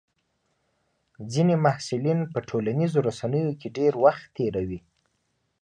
ځینې محصلین په ټولنیزو رسنیو کې ډېر وخت تېروي.